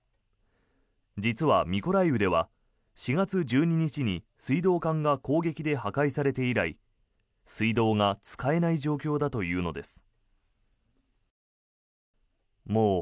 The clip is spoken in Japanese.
実はミコライウでは４月１２日に水道管が攻撃で破壊されて以来水道が使えない状況だというのです。